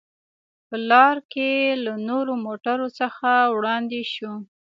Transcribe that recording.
په لار کې له نورو موټرو څخه وړاندې شوو.